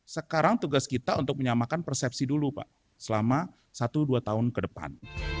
sekarang tugas kita untuk menyamakan persepsi dulu pak selama satu dua tahun ke depan